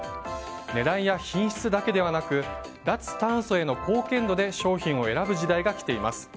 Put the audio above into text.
値段や品質だけではなく脱炭素への貢献度で商品を選ぶ時代が来ています。